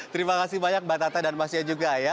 terima kasih banyak mbak tata dan masnya juga ya